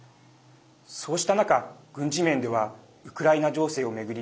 そうした中、軍事面ではウクライナ情勢を巡り